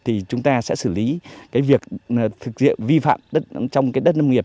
thì chúng ta sẽ xử lý việc thực hiện vi phạm trong đất nâm nghiệp